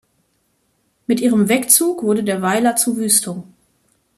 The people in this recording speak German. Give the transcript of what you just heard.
Mit ihrem Wegzug wurde der Weiler zu Wüstung.